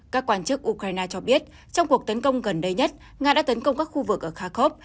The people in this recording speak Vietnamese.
các quan chức ukraine cho biết trong cuộc tấn công gần đây nhất nga đã tấn công các khu vực ở kharkov